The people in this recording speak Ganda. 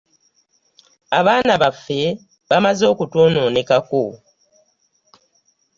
Abaana baffe bamaze okutwonoonekako.